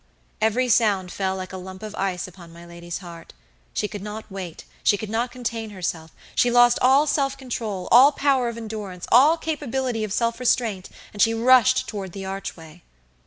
Every sound fell like a lump of ice upon my lady's heart. She could not wait, she could not contain herself, she lost all self control, all power of endurance, all capability of self restraint, and she rushed toward the archway.